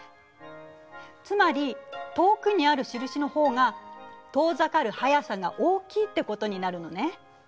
つまり遠くにある印の方が遠ざかる速さが大きいってことになるのね。